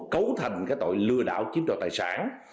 cấu thành cái tội lừa đảo chiếm trò tài sản